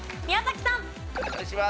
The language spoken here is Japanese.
宮崎さん。